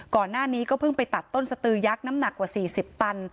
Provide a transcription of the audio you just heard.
ก่อนหน้านี้ก็เพิ่งไปตัดต้นสตือยักษ์น้ำหนักกว่า๔๐ตัน